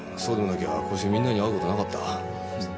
そうでもなきゃこうしてみんなに会うこともなかった。